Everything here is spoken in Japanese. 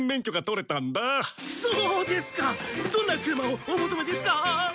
どんな車をお求めですか？